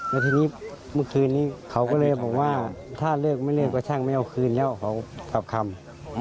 แล้วทีนี้เมื่อคืนนี้เขาก็เลยบอกว่าถ้าเลิกไม่เลิกก็ช่างไม่เอาคืนแล้วเขากลับคำ